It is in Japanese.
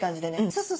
そうそう。